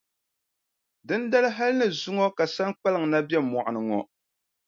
Dindali hali ni zuŋɔ ka Saŋkpaliŋ na be mɔɣu ni ŋɔ.